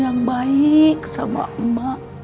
yang baik sama emak